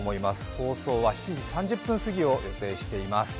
放送は７時３０分過ぎを予定しています。